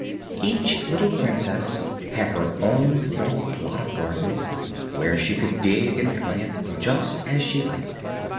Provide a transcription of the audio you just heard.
Each little princess had her own little plot of garden, where she could dig and plant just as she liked.